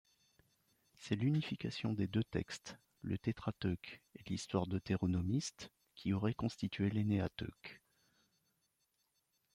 C'est l'unification des deux textes, le Tétrateuque et l'histoire deutéronomiste, qui aurait constitué l'Ennéateuque.